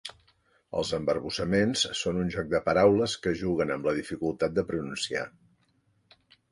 Els embarbussaments són un joc de paraules que juguen amb la dificultat de pronunciar.